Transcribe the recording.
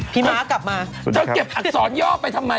พี่ม้ากลับมา